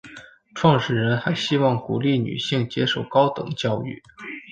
创始人还希望鼓励女性接受高等教育。